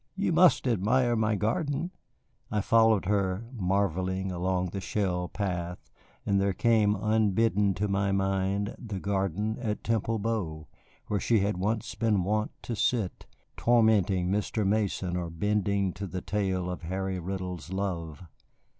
You must admire my garden." I followed her, marvelling, along the shell path, and there came unbidden to my mind the garden at Temple Bow, where she had once been wont to sit, tormenting Mr. Mason or bending to the tale of Harry Riddle's love.